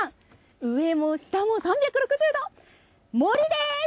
上も下も３６０度森です。